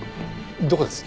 どこです？